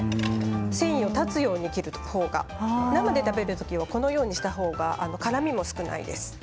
繊維を断つように切った方が生で食べる時も、このようにした方が辛みが少ないです。